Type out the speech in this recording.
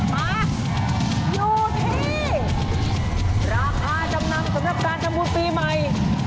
มาอยู่ที่ราคาจำนำสำหรับการทำบุญปีใหม่